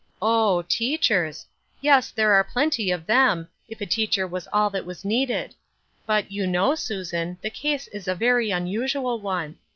" Oh, teachers. Yes, there are plenty of them, if a teacher was all that was needed. But, you know, Susan, the case is a very unusual one.